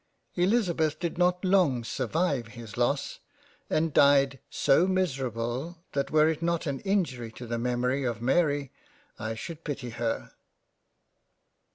Elizabeth did not long survive his loss, and died so miserable that were it not an injury to the memory of Mary I should pity her.